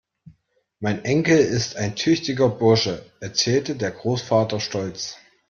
Mein Enkel ist ein tüchtiger Bursche, erzählte der Großvater stolz.